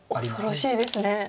恐ろしいですね。